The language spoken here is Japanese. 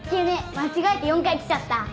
間違えて４階来ちゃった。